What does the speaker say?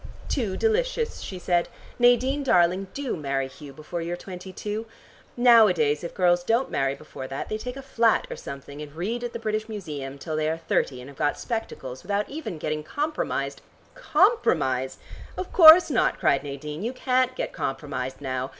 "Too delicious!" she said. "Nadine darling, do marry Hugh before you are twenty two. Nowadays if girls don't marry before that they take a flat or something and read at the British Museum till they are thirty and have got spectacles, without even getting compromised " "Compromised? Of course not," cried Nadine. "You can't get compromised now.